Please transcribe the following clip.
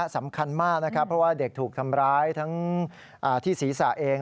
สำคัญมากนะครับเพราะว่าเด็กถูกทำร้ายทั้งที่ศีรษะเอง